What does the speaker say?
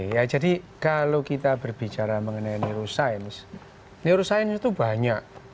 ya jadi kalau kita berbicara mengenai neuroscience neuroscience itu banyak